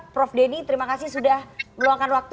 prof denny terima kasih sudah meluangkan waktu